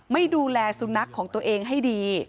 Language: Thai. ไม่ดูแลสุนัขของตัวเองให้ดี